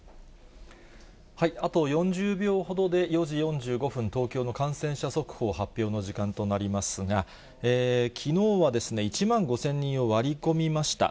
あと４０秒ほどで、４時４５分、東京の感染者速報発表の時間となりますが、きのうは１万５０００人を割り込みました。